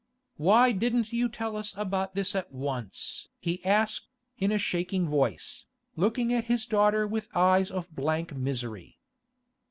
'Why didn't you tell us about this at once?' he asked, in a shaking voice, looking at his daughter with eyes of blank misery.